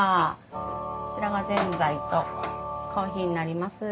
こちらがぜんざいとコーヒーになります。